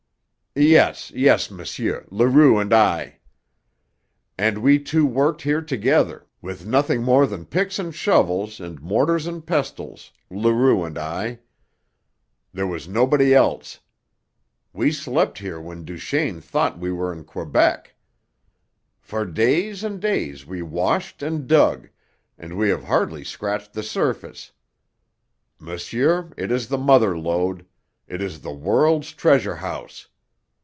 "Yes, yes, monsieur, Leroux and I. And we two worked here together, with nothing more than picks and shovels and mortars and pestles, Leroux and I. There was nobody else. We slept here when Duchaine thought we were in Quebec. For days and days we washed and dug, and we have hardly scratched the surface. Monsieur, it is the Mother Lode, it is the world's treasure house!